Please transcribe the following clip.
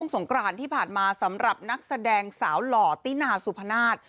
สงกรานที่ผ่านมาสำหรับนักแสดงสาวหล่อตินาสุพนาศ